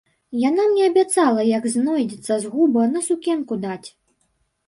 Яна мне абяцала, як знойдзецца згуба, на сукенку даць.